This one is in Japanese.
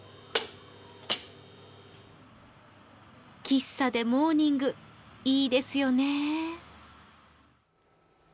喫茶でモーニングいいですよね。